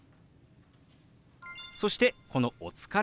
そしてこの「お疲れ様」